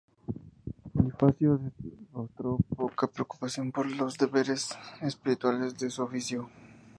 Bonifacio demostró poca preocupación por los deberes espirituales de su oficio.